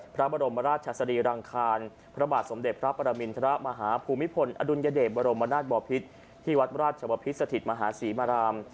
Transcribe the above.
พระบรมราชสรีรังคารพระบาทสมเด็จพระปรมินทรมาฮภูมิพลอดุลยเดชบรมนาศบอพิษที่วัดราชบพิษสถิตมหาศรีมาราม